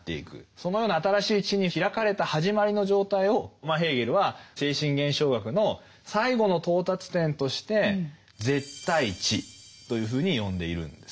そのような「新しい知に開かれた始まりの状態」をヘーゲルは「精神現象学」の最後の到達点として「絶対知」というふうに呼んでいるんです。